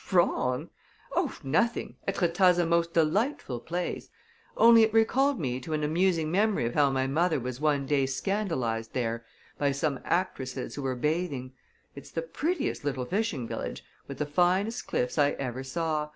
"Wrong? Oh, nothing. Etretat's a most delightful place only it recalled to me an amusing memory of how my mother was one day scandalized there by some actresses who were bathing. It's the prettiest little fishing village, with the finest cliffs I ever saw.